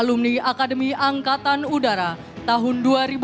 alumni akademi angkatan udara tahun dua ribu lima